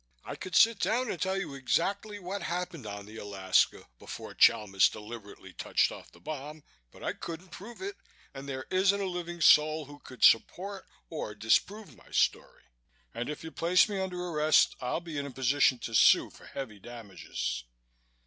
I could sit down and tell you exactly what happened on the Alaska before Chalmis deliberately touched off the bomb, but I couldn't prove it and there isn't a living soul who could support or disprove my story. And if you place me under arrest I'll be in a position to sue for heavy damages.